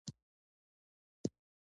هندوکش د جغرافیوي تنوع یو مثال دی.